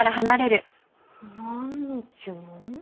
何の呪文？